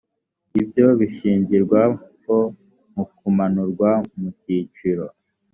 ibyo bishingirwaho mu kumanurwa mu cyiciro